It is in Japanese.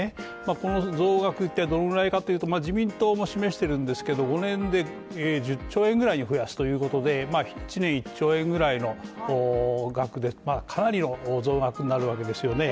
この増額ってどのぐらいかというと自民党も示しているんですけども５年で１０兆円ぐらいに増やすということで１年１兆円ぐらいの額で、かなりの増額になるわけですよね。